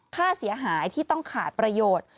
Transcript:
ค่าเสียหายที่ต้องขาดประโยชน์